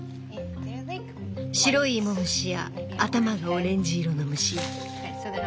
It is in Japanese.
白い芋虫や頭がオレンジ色の虫や。